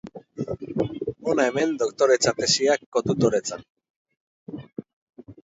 Hona hemen doktoretza-tesiak kotutoretzan.